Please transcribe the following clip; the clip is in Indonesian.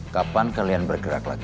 kapan kalian bergerak lagi